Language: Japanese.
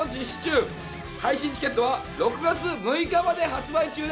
配信チケットは６月６日まで発売中です